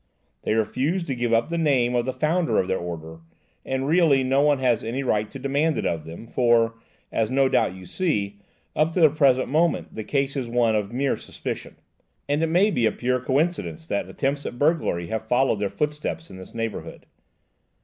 They refuse to give up the name of the founder of their order, and really no one has any right to demand it of them, for, as no doubt you see, up to the present moment the case is one of mere suspicion, and it may be a pure coincidence that attempts at burglary have followed their footsteps in this neighbourhood.